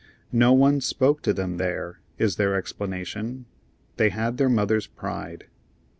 "No one spoke to them there," is their explanation. They had their mother's pride.